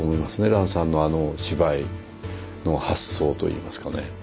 蘭さんのあの芝居の発想といいますかね。